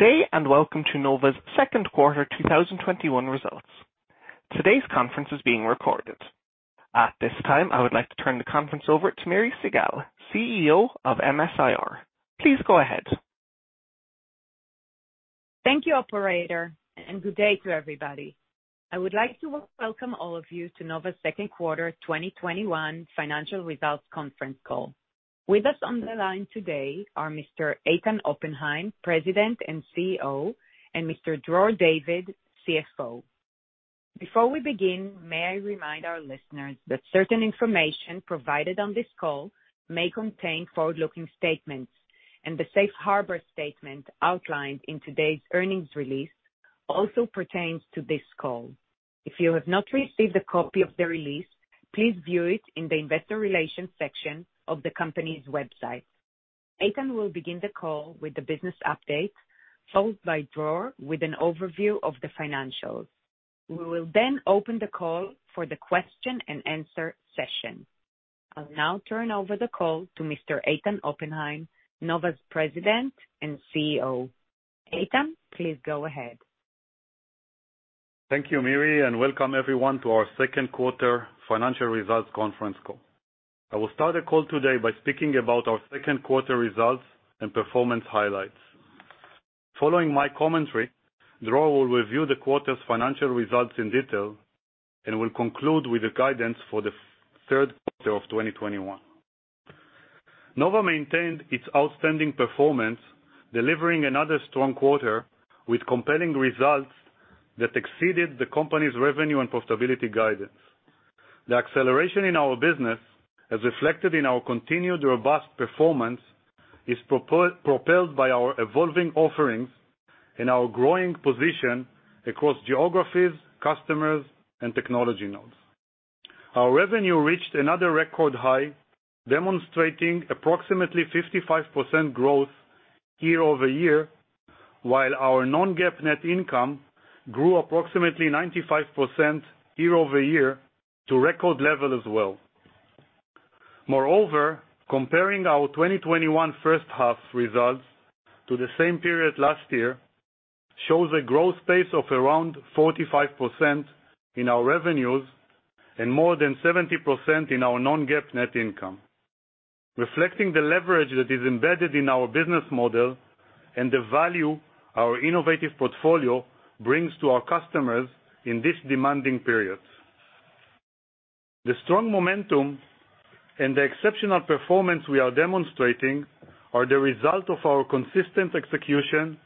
Good day, welcome to Nova's second quarter 2021 results. Today's conference is being recorded. At this time, I would like to turn the conference over to Miri Segal, CEO of MS-IR. Please go ahead. Thank you, operator, and good day to everybody. I would like to welcome all of you to Nova's second quarter 2021 financial results conference call. With us on the line today are Mr. Eitan Oppenheim, President and CEO, and Mr. Dror David, CFO. Before we begin, may I remind our listeners that certain information provided on this call may contain forward-looking statements, and the safe harbor statement outlined in today's earnings release also pertains to this call. If you have not received a copy of the release, please view it in the investor relations section of the company's website. Eitan will begin the call with the business update, followed by Dror with an overview of the financials. We will then open the call for the question and answer session. I'll now turn over the call to Mr. Eitan Oppenheim, Nova's President and CEO. Eitan, please go ahead. Thank you, Miri, and welcome everyone to our second quarter financial results conference call. I will start the call today by speaking about our second quarter results and performance highlights. Following my commentary, Dror will review the quarter's financial results in detail and will conclude with the guidance for the third quarter of 2021. Nova maintained its outstanding performance, delivering another strong quarter with compelling results that exceeded the company's revenue and profitability guidance. The acceleration in our business, as reflected in our continued robust performance, is propelled by our evolving offerings and our growing position across geographies, customers, and technology nodes. Our revenue reached another record high, demonstrating approximately 55% growth year-over-year, while our non-GAAP net income grew approximately 95% year-over-year to record level as well. Comparing our 2021 first half results to the same period last year shows a growth pace of around 45% in our revenues and more than 70% in our non-GAAP net income, reflecting the leverage that is embedded in our business model and the value our innovative portfolio brings to our customers in this demanding period. The strong momentum and the exceptional performance we are demonstrating are the result of our consistent execution,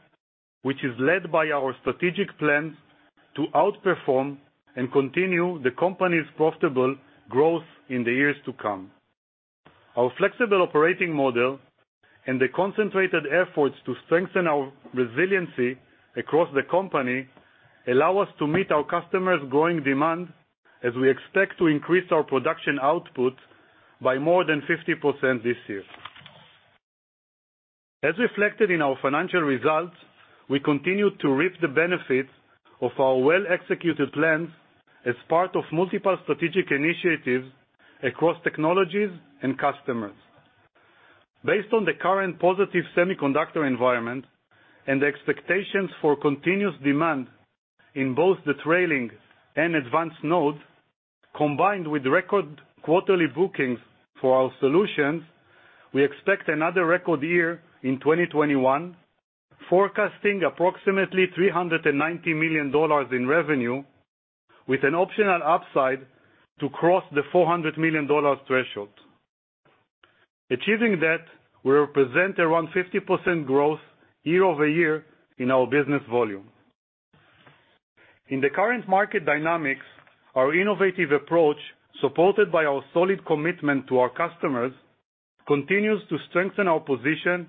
which is led by our strategic plan to outperform and continue the company's profitable growth in the years to come. Our flexible operating model and the concentrated efforts to strengthen our resiliency across the company allow us to meet our customers' growing demand as we expect to increase our production output by more than 50% this year. As reflected in our financial results, we continue to reap the benefits of our well-executed plans as part of multiple strategic initiatives across technologies and customers. Based on the current positive semiconductor environment and the expectations for continuous demand in both the trailing and advanced nodes, combined with record quarterly bookings for our solutions, we expect another record year in 2021, forecasting approximately $390 million in revenue with an optional upside to cross the $400 million threshold. Achieving that will represent around 50% growth year-over-year in our business volume. In the current market dynamics, our innovative approach, supported by our solid commitment to our customers, continues to strengthen our position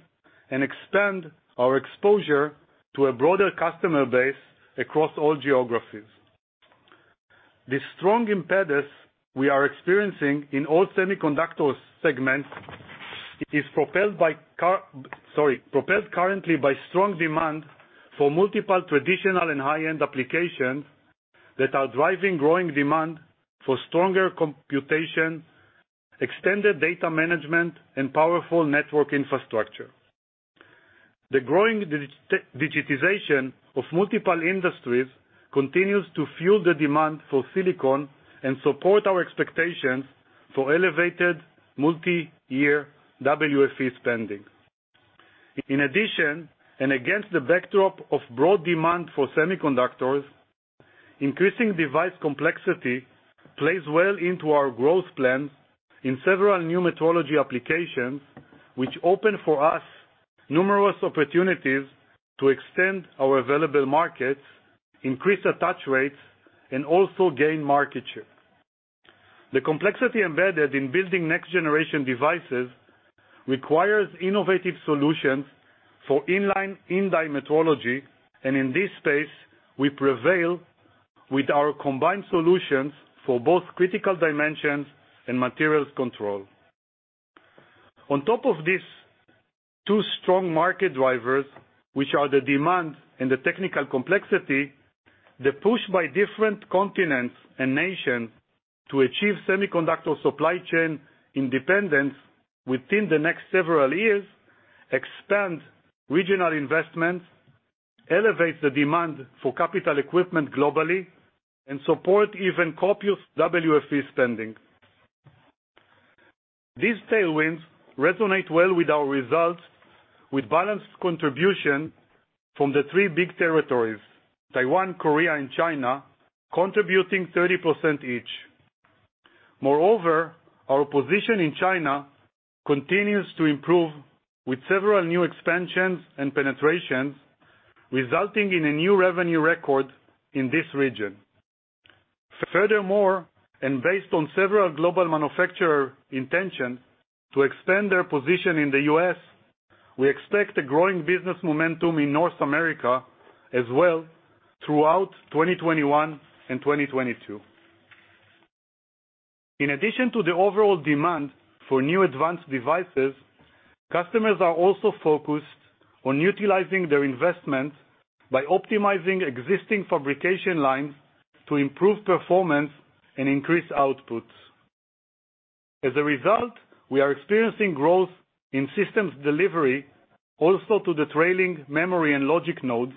and expand our exposure to a broader customer base across all geographies. The strong impetus we are experiencing in all semiconductor segments is propelled currently by strong demand for multiple traditional and high-end applications that are driving growing demand for stronger computation, extended data management, and powerful network infrastructure. The growing digitization of multiple industries continues to fuel the demand for silicon and support our expectations for elevated multiyear WFE spending. In addition, against the backdrop of broad demand for semiconductors, increasing device complexity plays well into our growth plans in several new metrology applications, which open for us numerous opportunities to extend our available markets, increase attach rates, and also gain market share. The complexity embedded in building next-generation devices requires innovative solutions for inline in-die metrology, and in this space, we prevail with our combined solutions for both critical dimensions and materials control. On top of these two strong market drivers, which are the demand and the technical complexity. The push by different continents and nations to achieve semiconductor supply chain independence within the next several years, expand regional investments, elevate the demand for capital equipment globally, and support even copious WFE spending. These tailwinds resonate well with our results, with balanced contribution from the three big territories, Taiwan, Korea, and China, contributing 30% each. Our position in China continues to improve with several new expansions and penetrations, resulting in a new revenue record in this region. Based on several global manufacturer intention to extend their position in the U.S., we expect a growing business momentum in North America as well throughout 2021 and 2022. In addition to the overall demand for new advanced devices, customers are also focused on utilizing their investments by optimizing existing fabrication lines to improve performance and increase outputs. As a result, we are experiencing growth in systems delivery also to the trailing memory and logic nodes.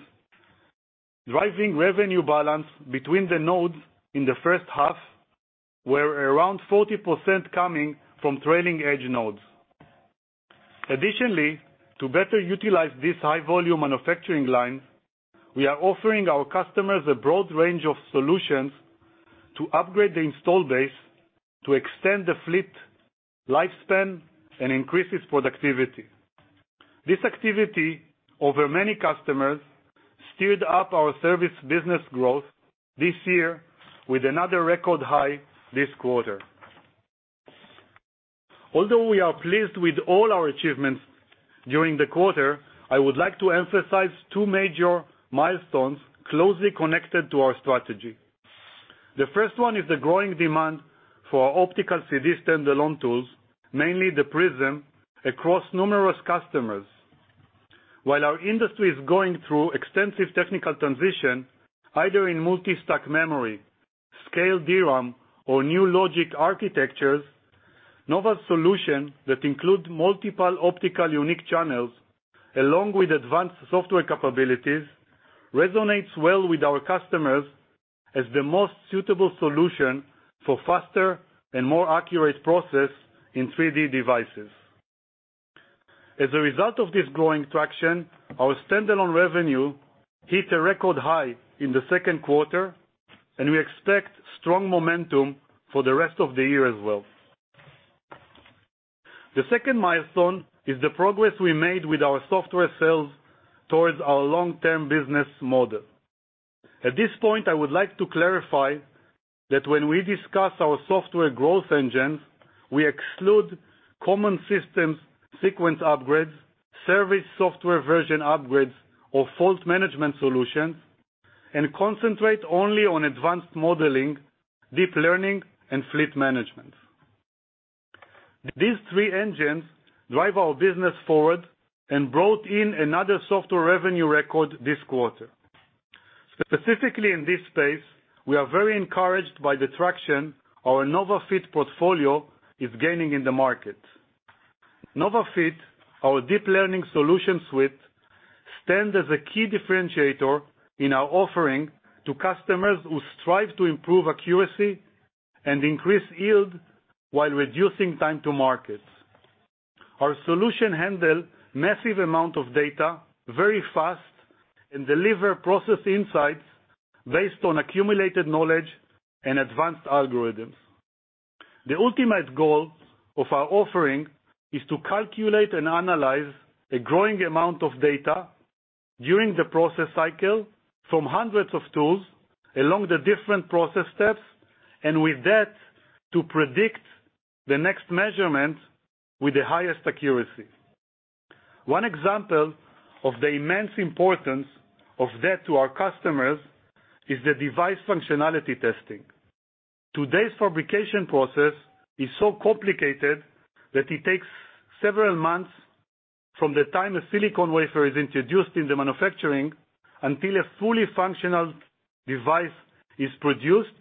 Driving revenue balance between the nodes in the first half were around 40% coming from trailing edge nodes. Additionally, to better utilize this high-volume manufacturing line, we are offering our customers a broad range of solutions to upgrade the install base, to extend the fleet lifespan, and increase its productivity. This activity over many customers steered up our service business growth this year with another record high this quarter. Although we are pleased with all our achievements during the quarter, I would like to emphasize two major milestones closely connected to our strategy. The first one is the growing demand for our optical CD stand-alone tools, mainly the Prism, across numerous customers. While our industry is going through extensive technical transition, either in multi-stack memory, DRAM scaling, or new logic architectures, Nova's solution that include multiple optical unique channels, along with advanced software capabilities, resonates well with our customers as the most suitable solution for faster and more accurate process in 3D devices. As a result of this growing traction, our stand-alone revenue hit a record high in the second quarter, and we expect strong momentum for the rest of the year as well. The second milestone is the progress we made with our software sales towards our long-term business model. At this point, I would like to clarify that when we discuss our software growth engines, we exclude common systems sequence upgrades, service software version upgrades, or fault management solutions, and concentrate only on advanced modeling, deep learning, and fleet management. These three engines drive our business forward and brought in another software revenue record this quarter. Specifically in this space, we are very encouraged by the traction our NovaFit portfolio is gaining in the market. NovaFit, our deep learning solution suite, stands as a key differentiator in our offering to customers who strive to improve accuracy and increase yield while reducing time to markets. Our solution handle massive amount of data very fast and deliver Process Insights based on accumulated knowledge and advanced algorithms. The ultimate goal of our offering is to calculate and analyze a growing amount of data during the process cycle from hundreds of tools along the different process steps, and with that, to predict the next measurement with the highest accuracy. One example of the immense importance of that to our customers is the device functionality testing. Today's fabrication process is so complicated that it takes several months from the time a silicon wafer is introduced in the manufacturing until a fully functional device is produced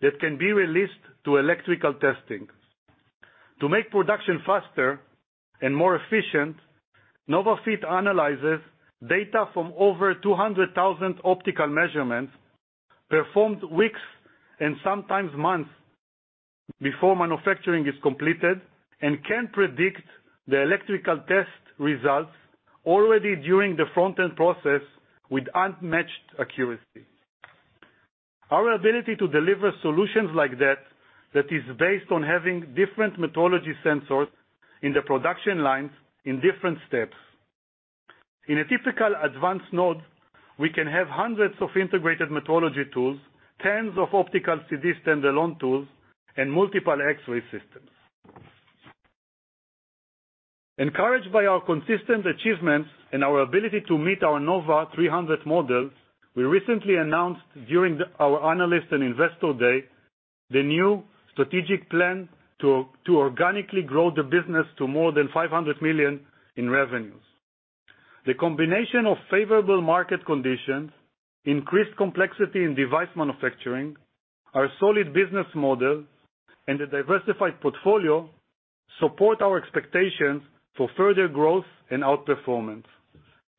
that can be released to electrical testing. To make production faster and more efficient, NovaFit analyzes data from over 200,000 optical measurements performed weeks, and sometimes months, before manufacturing is completed, and can predict the electrical test results already during the front-end process with unmatched accuracy. Our ability to deliver solutions like that is based on having different metrology sensors in the production lines in different steps. In a typical advanced node, we can have hundreds of integrated metrology tools, tens of optical CD stand-alone tools, and multiple X-ray systems. Encouraged by our consistent achievements and our ability to meet our Nova 300 model, we recently announced during our Analyst and Investor Day, the new strategic plan to organically grow the business to more than $500 million in revenues. The combination of favorable market conditions, increased complexity in device manufacturing, our solid business model, and a diversified portfolio support our expectations for further growth and outperformance.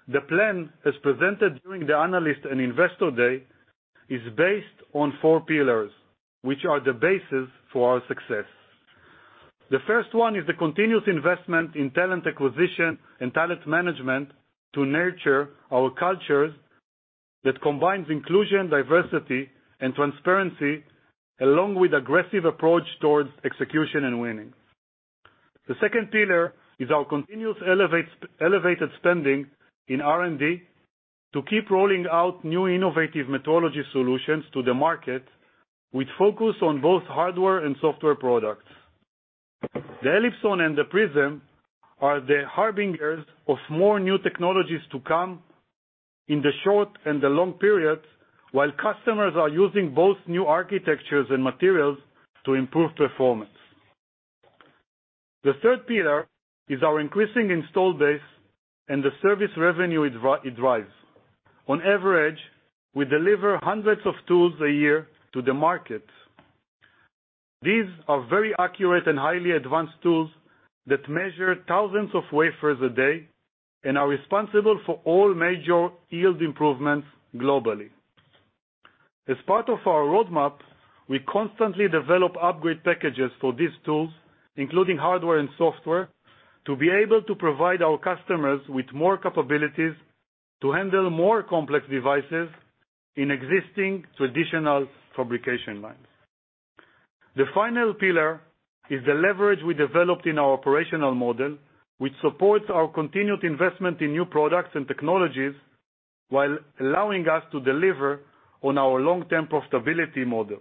The plan, as presented during the Analyst and Investor Day, is based on four pillars, which are the basis for our success. The first one is the continuous investment in talent acquisition and talent management to nurture our culture that combines inclusion, diversity, and transparency, along with aggressive approach towards execution and winning. The second pillar is our continuous elevated spending in R&D to keep rolling out new innovative metrology solutions to the market, with focus on both hardware and software products. The Elipson and the Nova Prism are the harbingers of more new technologies to come in the short and the long periods, while customers are using both new architectures and materials to improve performance. The third pillar is our increasing install base and the service revenue it drives. On average, we deliver hundreds of tools a year to the market. These are very accurate and highly advanced tools that measure thousands of wafers a day and are responsible for all major yield improvements globally. As part of our roadmap, we constantly develop upgrade packages for these tools, including hardware and software, to be able to provide our customers with more capabilities to handle more complex devices in existing traditional fabrication lines. The final pillar is the leverage we developed in our operational model, which supports our continued investment in new products and technologies while allowing us to deliver on our long-term profitability model.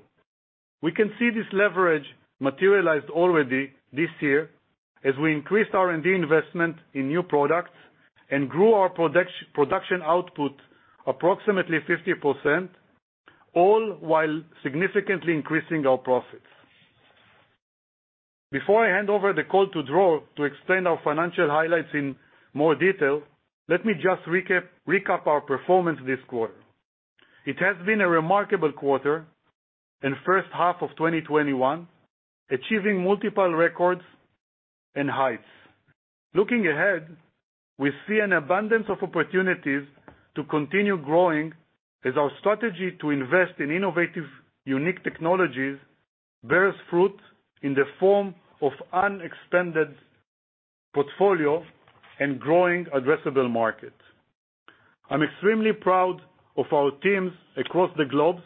We can see this leverage materialized already this year as we increased R&D investment in new products and grew our production output approximately 50%, all while significantly increasing our profits. Before I hand over the call to Dror to explain our financial highlights in more detail, let me just recap our performance this quarter. It has been a remarkable quarter and first half of 2021, achieving multiple records and heights. Looking ahead, we see an abundance of opportunities to continue growing as our strategy to invest in innovative, unique technologies bears fruit in the form of an expanded portfolio and growing addressable market. I'm extremely proud of our teams across the globe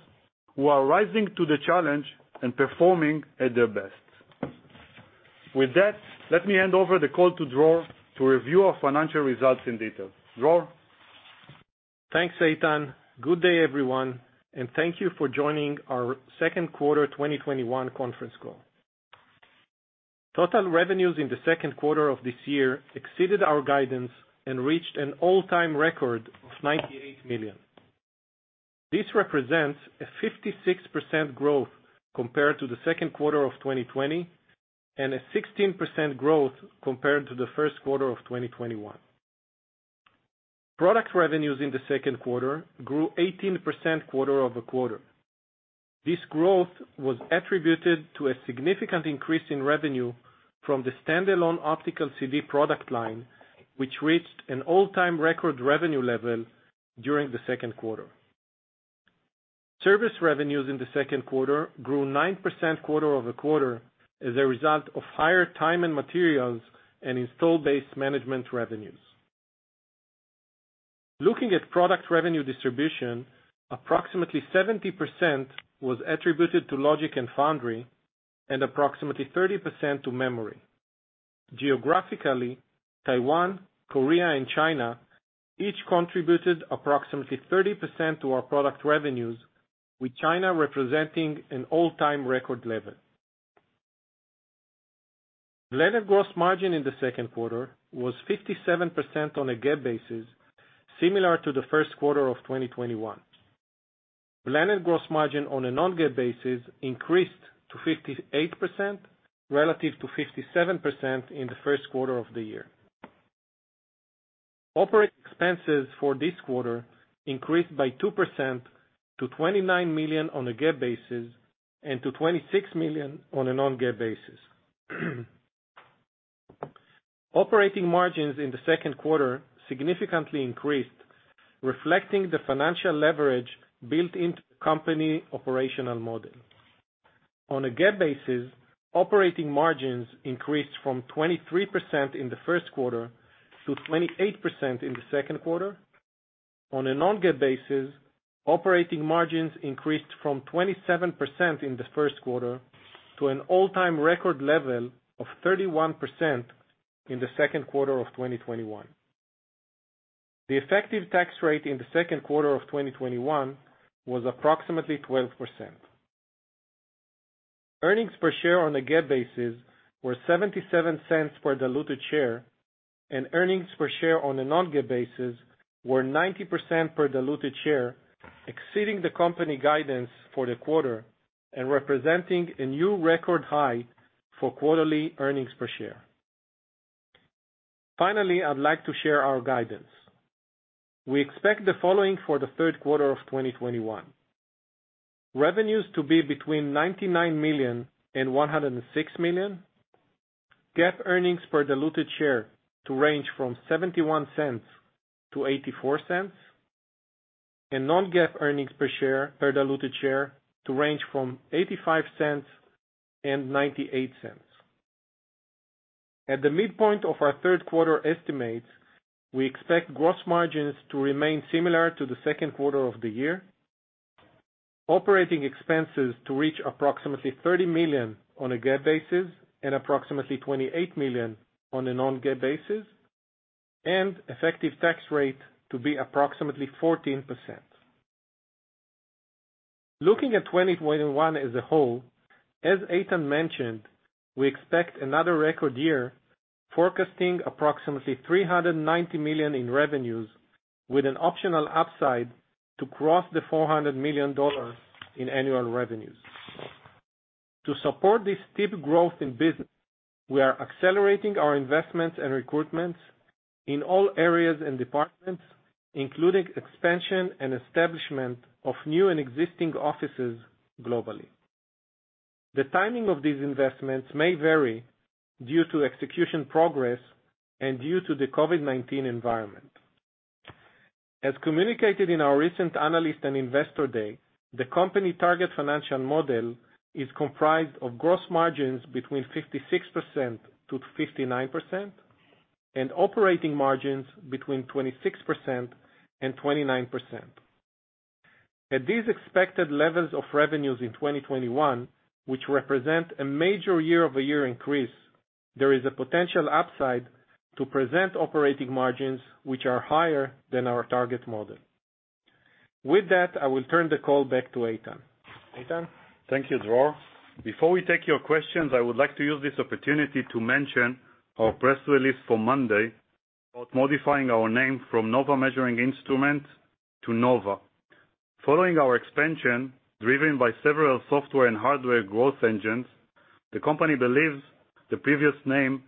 who are rising to the challenge and performing at their best. With that, let me hand over the call to Dror to review our financial results in detail. Dror? Thanks, Eitan Oppenheim. Good day, everyone, and thank you for joining our second quarter 2021 conference call. Total revenues in the second quarter of this year exceeded our guidance and reached an all-time record of $98 million. This represents a 56% growth compared to the second quarter of 2020 and a 16% growth compared to the first quarter of 2021. Product revenues in the second quarter grew 18% quarter-over-quarter. This growth was attributed to a significant increase in revenue from the standalone optical CD product line, which reached an all-time record revenue level during the second quarter. Service revenues in the second quarter grew 9% quarter-over-quarter as a result of higher time and materials and install base management revenues. Looking at product revenue distribution, approximately 70% was attributed to logic and foundry and approximately 30% to memory. Geographically, Taiwan, Korea, and China each contributed approximately 30% to our product revenues, with China representing an all-time record level. Blended gross margin in the second quarter was 57% on a GAAP basis, similar to the first quarter of 2021. Blended gross margin on a non-GAAP basis increased to 58%, relative to 57% in the first quarter of the year. Operating expenses for this quarter increased by 2% to $29 million on a GAAP basis and to $26 million on a non-GAAP basis. Operating margins in the second quarter significantly increased, reflecting the financial leverage built into the company operational model. On a GAAP basis, operating margins increased from 23% in the first quarter to 28% in the second quarter. On a non-GAAP basis, operating margins increased from 27% in the first quarter to an all-time record level of 31% in the second quarter of 2021. The effective tax rate in the second quarter of 2021 was approximately 12%. Earnings per share on a GAAP basis were $0.77 per diluted share. Earnings per share on a non-GAAP basis were $0.90 per diluted share, exceeding the company guidance for the quarter and representing a new record high for quarterly earnings per share. Finally, I'd like to share our guidance. We expect the following for the third quarter of 2021. Revenues to be between $99 million and $106 million, GAAP earnings per diluted share to range from $0.71 to $0.84, and non-GAAP earnings per diluted share to range from $0.85-$0.98. At the midpoint of our third quarter estimates, we expect gross margins to remain similar to the second quarter of the year, operating expenses to reach approximately $30 million on a GAAP basis and approximately $28 million on a non-GAAP basis, and effective tax rate to be approximately 14%. Looking at 2021 as a whole, as Eitan mentioned, we expect another record year forecasting approximately $390 million in revenues with an optional upside to cross the $400 million in annual revenues. To support this steep growth in business, we are accelerating our investments and recruitments in all areas and departments, including expansion and establishment of new and existing offices globally. The timing of these investments may vary due to execution progress and due to the COVID-19 environment. As communicated in our recent Analyst and Investor Day, the company target financial model is comprised of gross margins between 56%-59% and operating margins between 26% and 29%. At these expected levels of revenues in 2021, which represent a major year-over-year increase, there is a potential upside to present operating margins, which are higher than our target model. With that, I will turn the call back to Eitan. Eitan? Thank you, Dror. Before we take your questions, I would like to use this opportunity to mention our press release for Monday about modifying our name from Nova Measuring Instruments to Nova. Following our expansion, driven by several software and hardware growth engines, the company believes the previous name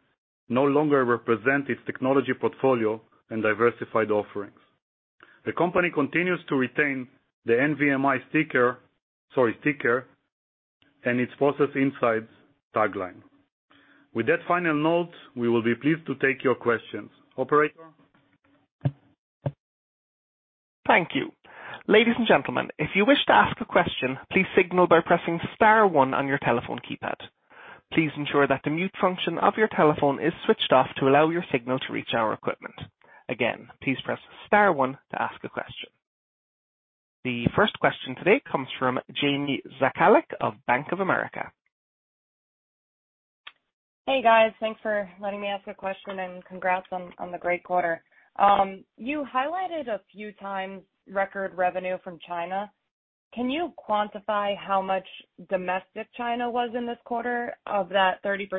no longer represent its technology portfolio and diversified offerings. The company continues to retain the NVMI ticker and its Process Insights tagline. With that final note, we will be pleased to take your questions. Operator? Thank you. Ladies and gentlemen, if you wish to ask a question, please signal by pressing star one on your telephone keypad. Please ensure that the mute function of your telephone is switched off to allow your signal to reach our equipment. Again, please press star one to ask a question. The first question today comes from Jamie Zakalik of Bank of America. Hey, guys. Thanks for letting me ask a question. Congrats on the great quarter. You highlighted a few times record revenue from China. Can you quantify how much domestic China was in this quarter of that 30%?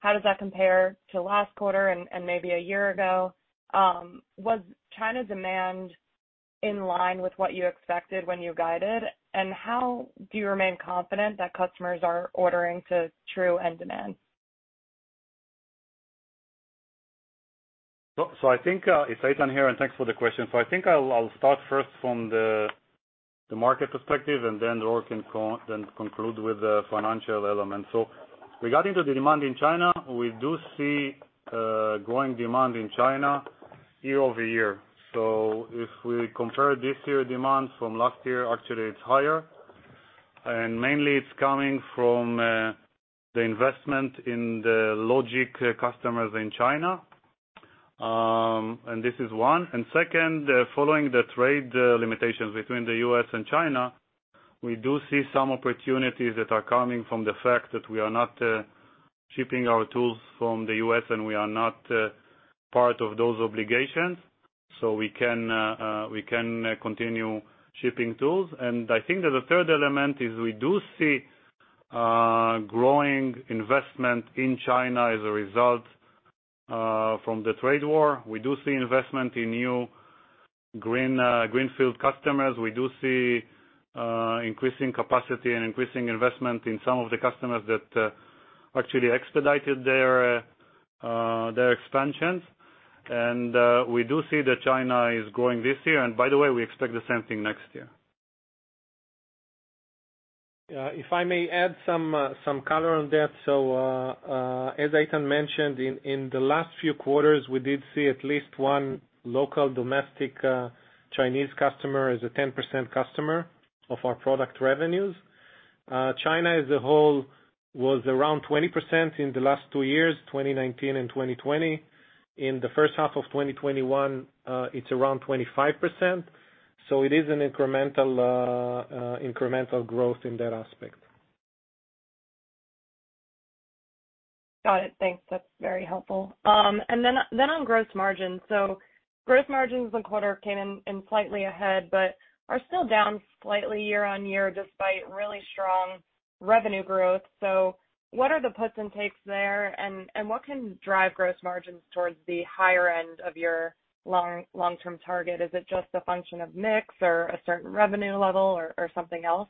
How does that compare to last quarter and maybe a year ago? Was China demand in line with what you expected when you guided? How do you remain confident that customers are ordering to true end demand? I think, it's Eitan here, and thanks for the question. I think I'll start first from the market perspective, and then Dror can conclude with the financial element. Regarding to the demand in China, we do see growing demand in China year-over-year. If we compare this year demand from last year, actually it's higher. Mainly it's coming from the investment in the logic customers in China. This is one. Second, following the trade limitations between the U.S. and China, we do see some opportunities that are coming from the fact that we are not shipping our tools from the U.S., and we are not part of those obligations, so we can continue shipping tools. I think that the third element is we do see growing investment in China as a result from the trade war. We do see investment in new greenfield customers. We do see increasing capacity and increasing investment in some of the customers that actually expedited their expansions. We do see that China is growing this year. By the way, we expect the same thing next year. If I may add some color on that. As Eitan mentioned, in the last few quarters, we did see at least one local domestic Chinese customer as a 10% customer of our product revenues. China as a whole was around 20% in the last two years, 2019 and 2020. In the first half of 2021, it's around 25%. It is an incremental growth in that aspect. Got it. Thanks. That's very helpful. Gross margins the quarter came in slightly ahead, but are still down slightly year-over-year, despite really strong revenue growth. What are the puts and takes there, and what can drive gross margins towards the higher end of your long-term target? Is it just a function of mix or a certain revenue level or something else?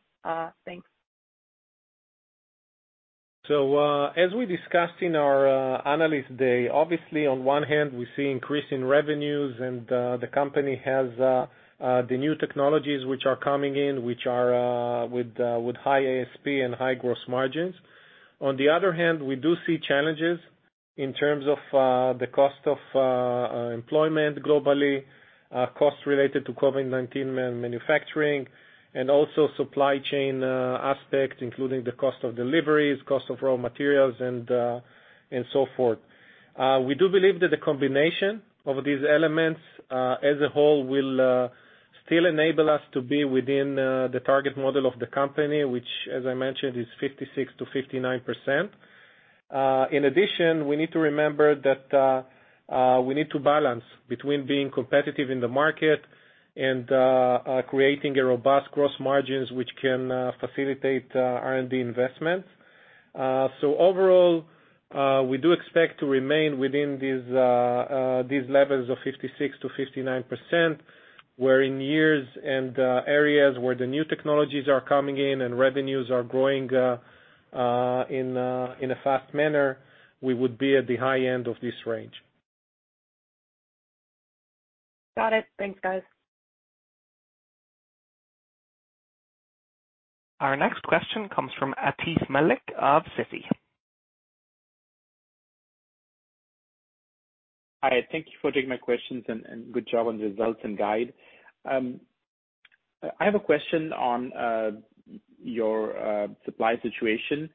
Thanks. As we discussed in our Analyst Day, obviously, on one hand, we see increase in revenues and the company has the new technologies which are coming in, which are with high ASP and high gross margins. On the other hand, we do see challenges in terms of the cost of employment globally, costs related to COVID-19 manufacturing, and also supply chain aspect, including the cost of deliveries, cost of raw materials, and so forth. We do believe that the combination of these elements, as a whole, will still enable us to be within the target model of the company, which, as I mentioned, is 56%-59%. In addition, we need to remember that we need to balance between being competitive in the market and creating a robust gross margins, which can facilitate R&D investments. Overall, we do expect to remain within these levels of 56%-59%, where in years and areas where the new technologies are coming in and revenues are growing in a fast manner, we would be at the high end of this range. Got it. Thanks, guys. Our next question comes from Atif Malik of Citi. Hi, thank you for taking my questions, and good job on the results and guide. I have a question on your supply situation.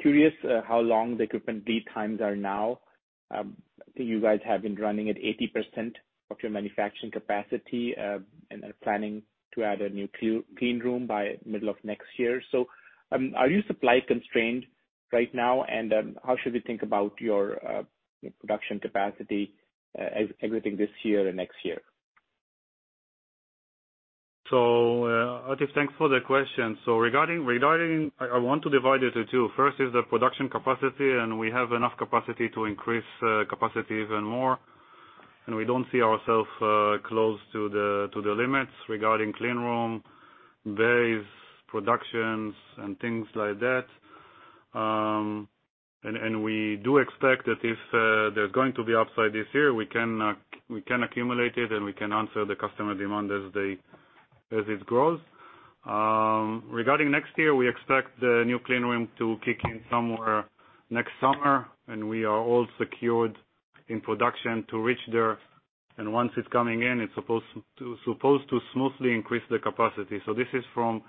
Curious how long the equipment lead times are now. I think you guys have been running at 80% of your manufacturing capacity, are planning to add a new clean room by middle of next year. Are you supply-constrained right now? How should we think about your production capacity everything this year and next year? Atif, thanks for the question. Regarding, I want to divide it to two. First is the production capacity, and we have enough capacity to increase capacity even more, and we don't see ourself close to the limits regarding clean room, base productions, and things like that. We do expect that if there's going to be upside this year, we can accumulate it, and we can answer the customer demand as it grows. Regarding next year, we expect the new clean room to kick in somewhere next summer, and we are all secured in production to reach there. Once it's coming in, it's supposed to smoothly increase the capacity. This is from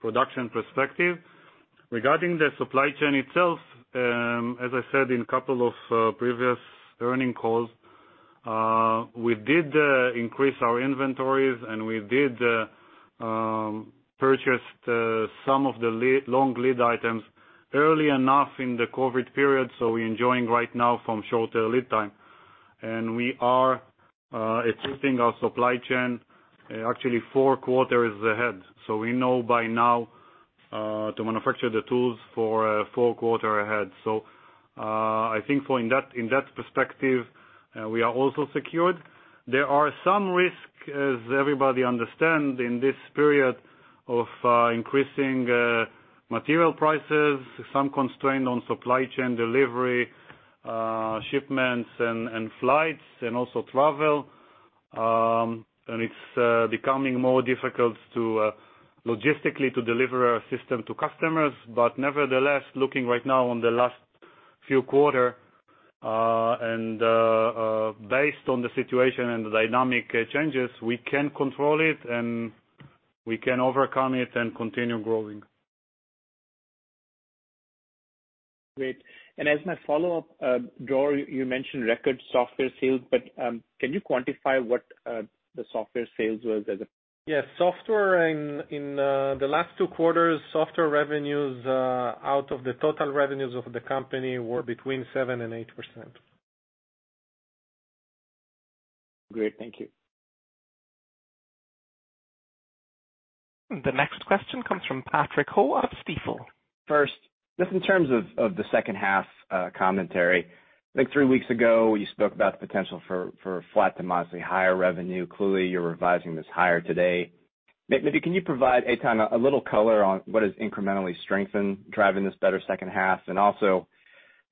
production perspective. Regarding the supply chain itself, as I said in couple of previous earnings calls, we did increase our inventories, and we did purchased some of the long lead items early enough in the COVID-19 period, so we're enjoying right now from shorter lead time. We are assisting our supply chain, actually four quarters ahead. We know by now, to manufacture the tools for a full quarter ahead. I think in that perspective, we are also secured. There are some risk, as everybody understand, in this period of increasing material prices, some constraint on supply chain delivery, shipments and flights, and also travel. It's becoming more difficult logistically to deliver our system to customers. Nevertheless, looking right now on the last few quarter, and based on the situation and the dynamic changes, we can control it, and we can overcome it and continue growing. Great. As my follow-up, Dror, you mentioned record software sales, can you quantify what the software sales was? Yes. Software in the last two quarters, software revenues, out of the total revenues of the company, were between 7% and 8%. Great. Thank you. The next question comes from Patrick Ho of Stifel. First, just in terms of the second half commentary. I think three weeks ago, you spoke about the potential for a flat to modestly higher revenue. Clearly, you're revising this higher today. Maybe can you provide, Eitan, a little color on what has incrementally strengthened, driving this better second half? Also,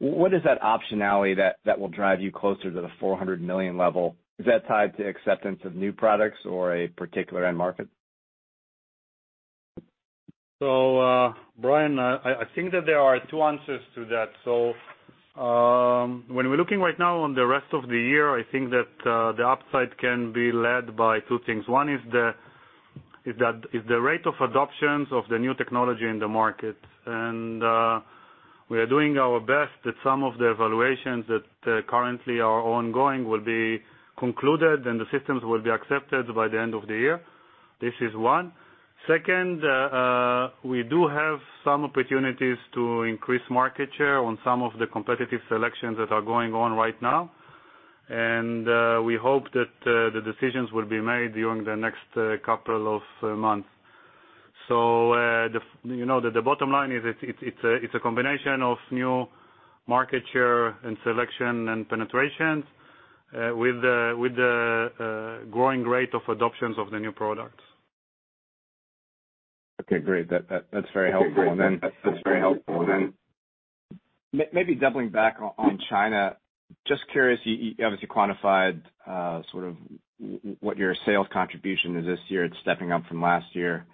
what is that optionality that will drive you closer to the $400 million level? Is that tied to acceptance of new products or a particular end market? I think that there are two answers to that. When we're looking right now on the rest of the year, I think that the upside can be led by two things. One is the rate of adoptions of the new technology in the market. We are doing our best that some of the evaluations that currently are ongoing will be concluded, and the systems will be accepted by the end of the year. This is one. Second, we do have some opportunities to increase market share on some of the competitive selections that are going on right now, and we hope that the decisions will be made during the next couple of months. The bottom line is it's a combination of new market share and selection and penetration with the growing rate of adoptions of the new products. Okay, great. That's very helpful. Maybe doubling back on China, just curious, you obviously quantified sort of what your sales contribution is this year. It's stepping up from last year.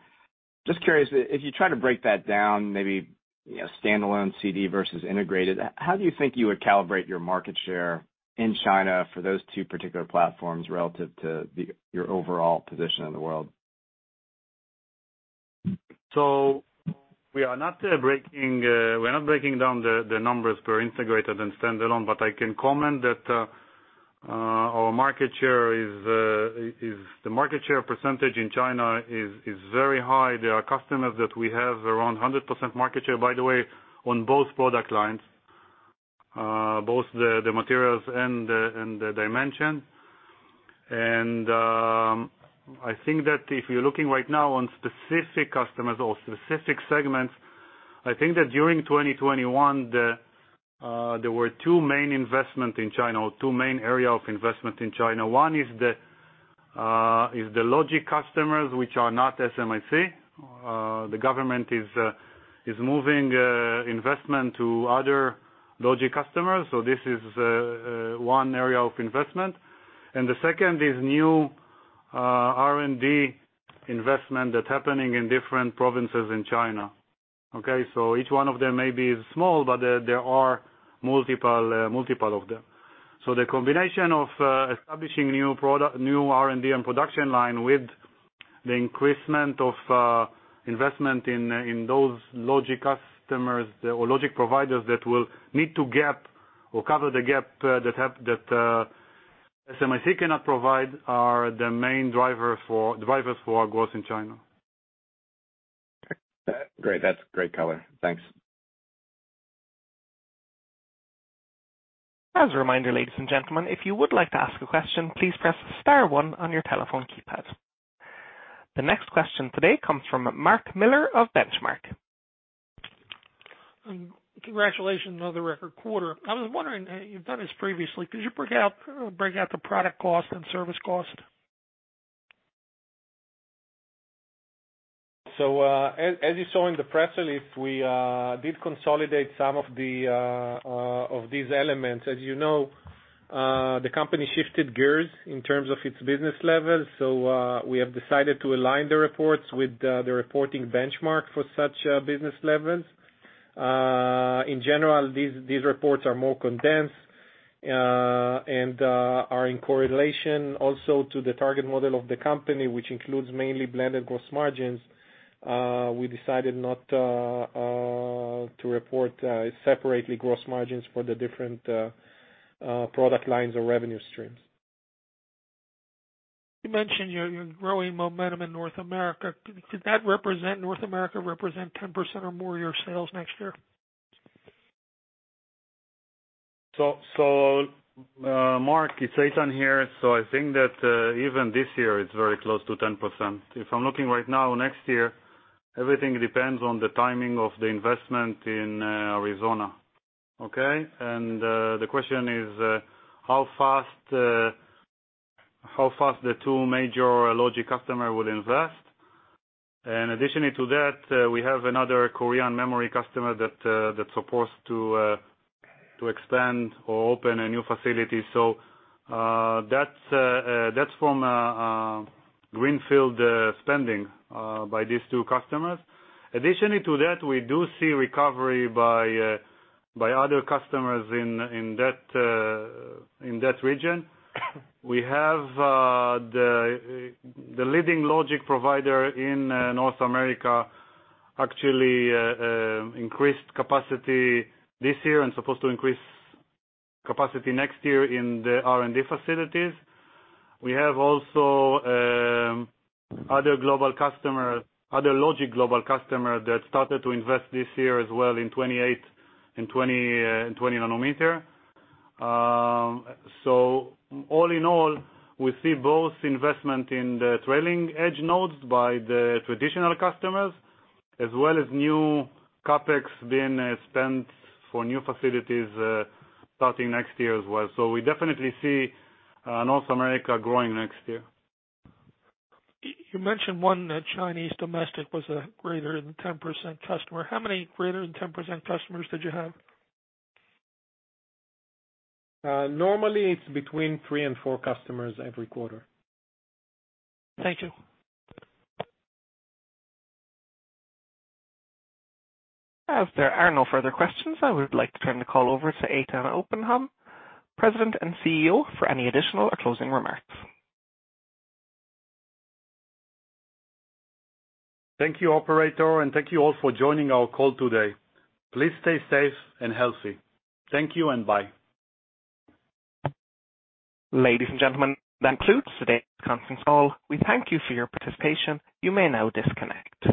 Just curious, if you try to break that down, maybe standalone CD versus integrated, how do you think you would calibrate your market share in China for those two particular platforms relative to your overall position in the world? We are not breaking down the numbers for integrated and standalone, but I can comment that the market share % in China is very high. There are customers that we have around 100% market share, by the way, on both product lines, both the materials and the dimension. I think that if you're looking right now on specific customers or specific segments, I think that during 2021, there were two main investment in China or two main area of investment in China. One is the logic customers, which are not SMIC. The government is moving investment to other logic customers. This is one area of investment. The second is new R&D investment that's happening in different provinces in China. Okay. Each one of them may be small, but there are multiple of them. The combination of establishing new R&D and production line with the increase of investment in those logic customers or logic providers that will need to gap or cover the gap that SMIC cannot provide are the main drivers for our growth in China. Great. That's great color. Thanks. As a reminder, ladies and gentlemen, if you would like to ask a question, please press star one on your telephone keypad. The next question today comes from Mark Miller of Benchmark. Congratulations on another record quarter. I was wondering, you've done this previously, could you break out the product cost and service cost? As you saw in the press release, we did consolidate some of these elements. As you know, the company shifted gears in terms of its business level. We have decided to align the reports with the reporting benchmark for such business levels. In general, these reports are more condensed and are in correlation also to the target model of the company, which includes mainly blended gross margins. We decided not to report separately gross margins for the different product lines or revenue streams. You mentioned your growing momentum in North America. Could North America represent 10% or more of your sales next year? Mark, it's Eitan Oppenheim here. I think that even this year, it's very close to 10%. If I'm looking right now, next year, everything depends on the timing of the investment in Arizona. Okay? The question is, how fast the two major logic customer would invest. Additionally to that, we have another Korean memory customer that's supposed to expand or open a new facility. That's from greenfield spending by these two customers. Additionally to that, we do see recovery by other customers in that region. We have the leading logic provider in North America actually increased capacity this year and supposed to increase capacity next year in the R&D facilities. We have also other logic global customer that started to invest this year as well in 20 nm. All in all, we see both investment in the trailing edge nodes by the traditional customers, as well as new CapEx being spent for new facilities starting next year as well. We definitely see North America growing next year. You mentioned one Chinese domestic was a greater than 10% customer. How many greater than 10% customers did you have? Normally, it's between three and four customers every quarter. Thank you. As there are no further questions, I would like to turn the call over to Eitan Oppenheim, President and CEO, for any additional or closing remarks. Thank you, operator, and thank you all for joining our call today. Please stay safe and healthy. Thank you and bye. Ladies and gentlemen, that concludes today's conference call. We thank you for your participation. You may now disconnect.